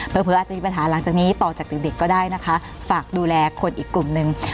เผลออาจจะมีปัญหาหลังจากนี้ต่อจากเด็กก็ได้นะคะฝากดูแลคนอีกกลุ่มหนึ่ง